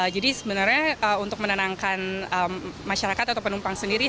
jadi sebenarnya untuk menenangkan masyarakat atau penumpang sendiri